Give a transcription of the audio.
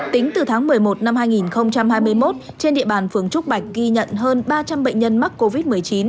tính từ tháng một mươi một năm hai nghìn hai mươi một trên địa bàn phường trúc bạch ghi nhận hơn ba trăm linh bệnh nhân mắc covid một mươi chín